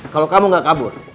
kalau kamu gak kabur